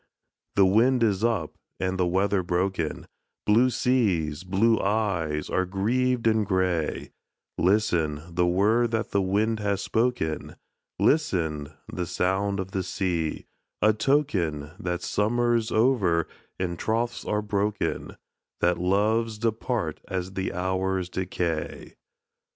The wind is up, and the weather broken, Blue seas, blue eyes, are grieved and grey, Listen, the word that the wind has spoken, Listen, the sound of the sea,—a token That summer's over, and troths are broken,— That loves depart as the hours decay.